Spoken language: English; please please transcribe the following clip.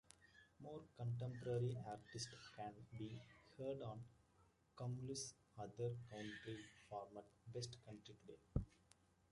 More contemporary artists can be heard on Cumulus' other country format, Best Country Today.